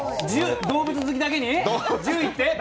動物好きだけに１０位って？